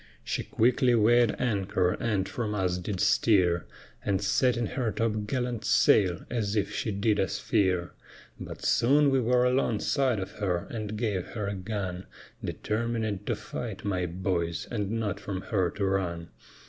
She quickly weighèd anchor and from us did steer, And setting her top gallant sail as if she did us fear, But soon we were alongside of her, and gave her a gun, Determinèd to fight, my boys, and not from her to run.